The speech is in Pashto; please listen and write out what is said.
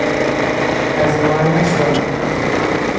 که زما نه شوی